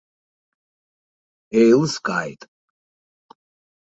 Иеилыскааит!